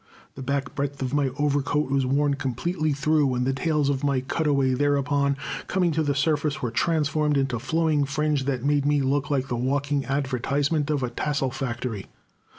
The back breadth of my overcoat was worn completely through, and the tails of my cutaway thereupon coming to the surface were transformed into a flowing fringe that made me look like the walking advertisement of a tassel factory.